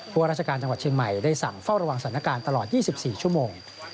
ว่าราชการจังหวัดเชียงใหม่ได้สั่งเฝ้าระวังสถานการณ์ตลอด๒๔ชั่วโมง